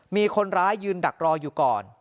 มีคนร้ายยืนดักรออยู่ก่อน